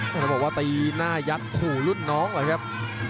ต้องบอกว่าตีหน้ายัดขู่รุ่นน้องเลยครับ